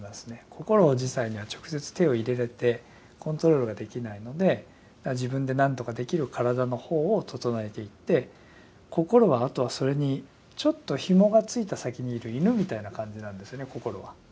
心自体には直接手を入れてコントロールができないので自分でなんとかできる体の方を整えていって心はあとはそれにちょっとひもがついた先にいる犬みたいな感じなんですよね心は。